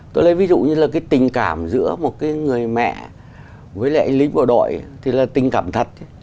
tôi lấy ví dụ như là cái tình cảm giữa một cái người mẹ với lại anh lính bộ đội thì là tình cảm thật